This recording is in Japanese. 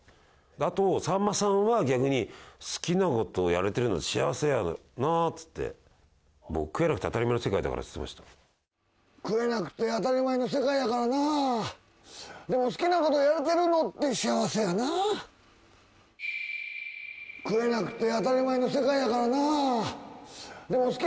あとさんまさんは逆に好きなことをやれてるの幸せやなっつって食えなくて当たり前の世界だからっつってました食えなくて当たり前の世界やからなでも好きなことやれてるのって幸せやなと思いましたね